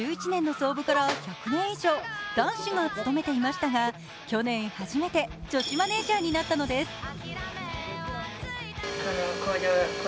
１９１１年の創部から１００年以上男子が務めていましたが、去年初めて女子マネージャーになったのです。